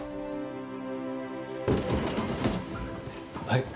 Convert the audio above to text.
はい